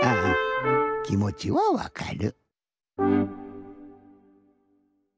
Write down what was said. きもちはわかる。